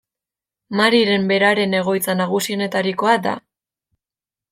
Mariren beraren egoitza nagusienetarikoa da.